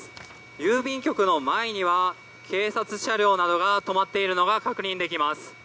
郵便局の前には警察車両などが止まっているのが確認できます。